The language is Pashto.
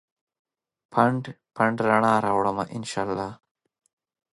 پنډ ، پنډ رڼا راوړمه ا ن شا الله